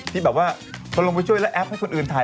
ที่แบบว่าพอลงไปช่วยแล้วแอปให้คนอื่นถ่าย